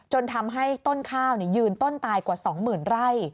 จนทำให้ต้นข้าวยืนต้นตายกว่าสองหมื่นไร่